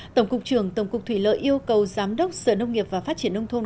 tổng cục trưởng tổng cục thủy lợi yêu cầu giám đốc sở nông nghiệp và phát triển nông thôn